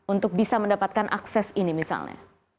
untuk bisa mendapatkan akses ini misalnya